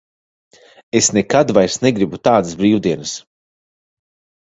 Es nekad vairs negribu tādas brīvdienas.